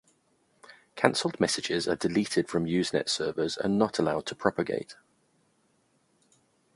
Cancelled messages are deleted from Usenet servers and not allowed to propagate.